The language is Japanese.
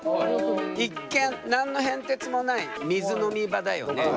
一見何の変哲もない水飲み場だよね。